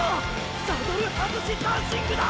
サドル外しダンシングだ！！